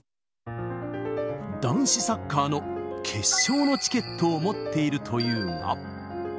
男子サッカーの決勝のチケットを持っているというが。